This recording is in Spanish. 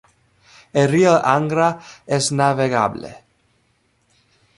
El río Angra es navegable.